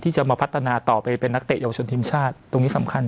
จะมาพัฒนาต่อไปเป็นนักเตะเยาวชนทีมชาติตรงนี้สำคัญ